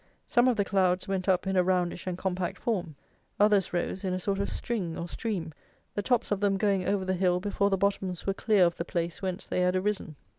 Some of the clouds went up in a roundish and compact form. Others rose in a sort of string or stream, the tops of them going over the hill before the bottoms were clear of the place whence they had arisen.